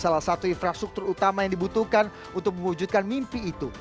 salah satu infrastruktur utama yang dibutuhkan untuk mewujudkan mimpi itu